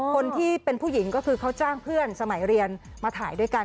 คนที่เป็นผู้หญิงก็คือเขาจ้างเพื่อนสมัยเรียนมาถ่ายด้วยกัน